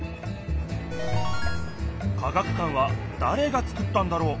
科学館はだれがつくったんだろう。